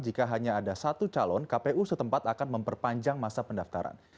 jika hanya ada satu calon kpu setempat akan memperpanjang masa pendaftaran